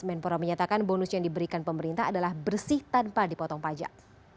menpora menyatakan bonus yang diberikan pemerintah adalah bersih tanpa dipotong pajak